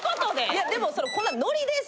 いやでもこんなん「ノリです！」